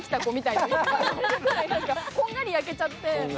こんがり焼けちゃって。